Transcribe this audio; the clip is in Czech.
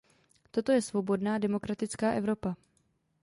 Toto je svobodná, demokratická Evropa.